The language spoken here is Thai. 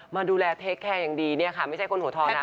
มาดูแลอย่างดีนี่ค่ะไม่ใช่คนหัวทองค่ะ